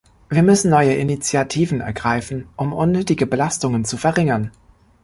Wir müssen neue Initiativen ergreifen, um unnötige Belastungen zu verringern.